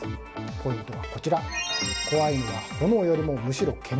ポイントはこちら怖いのは炎よりもむしろ煙。